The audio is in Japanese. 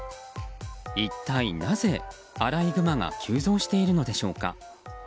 一体なぜ、アライグマが急増しているのでしょうか。